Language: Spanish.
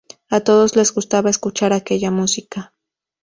A todos les gustaba escuchar aquella música.